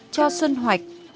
cho xuân hoạch